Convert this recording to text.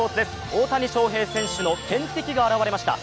大谷翔平選手の天敵が現れました。